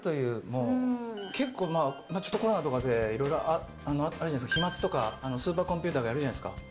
もう、結構、ちょっとコロナとかで、いろいろあるじゃないですか、飛まつとか、スーパーコンピューターがやるじゃないですか。